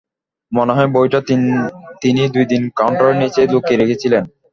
মনেহয় বইটা তিনি দুদিন কাউন্টারের নিচে লুকিয়ে রেখেছিলেন।